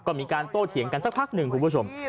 ก็มีการโต้เถียงกันสักพักหนึ่งคุณผู้ชม